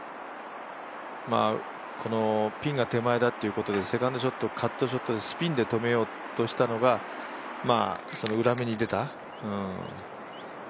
ピンが手前だってことでセカンドショットカットショットでスピンで止めようとしたのが裏目に出た。